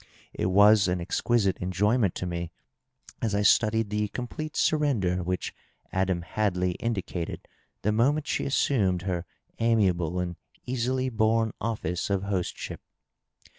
It was an exquisite enjoyment to me as I studied the complete surrender which Adam HadW indicated the moment she assumed her amiable and easily borne office of hostship.